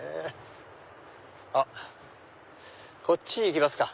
あっこっちに行きますか。